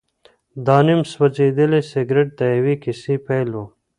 دا نیم سوځېدلی سګرټ د یوې کیسې پیل و.